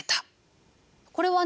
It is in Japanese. これはね